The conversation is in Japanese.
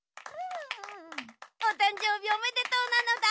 おたんじょうびおめでとうなのだ。